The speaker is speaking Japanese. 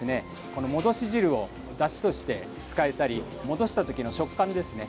この戻し汁をだしとして使えたり戻した時の食感ですね